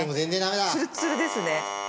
ツルツルですね。